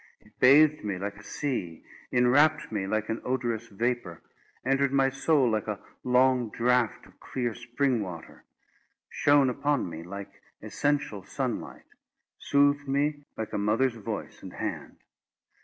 It bathed me like a sea; inwrapt me like an odorous vapour; entered my soul like a long draught of clear spring water; shone upon me like essential sunlight; soothed me like a mother's voice and hand.